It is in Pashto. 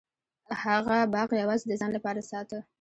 هغه باغ یوازې د ځان لپاره ساته.